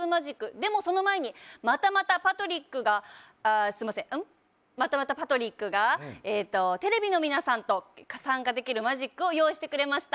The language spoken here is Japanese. でもその前にまたまたパトリックがテレビの皆さんと参加できるマジックを用意してくれました。